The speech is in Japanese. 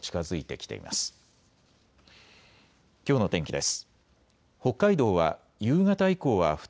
きょうの天気です。